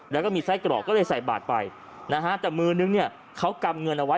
แล้วก็มีไส้กรอกก็เลยใส่บาทไปนะฮะแต่มือนึงเนี่ยเขากำเงินเอาไว้